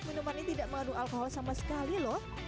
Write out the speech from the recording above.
minuman ini tidak mengandung alkohol sama sekali loh